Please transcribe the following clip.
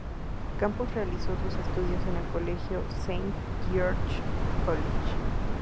Campos realizó sus estudios en el colegio Saint George's College.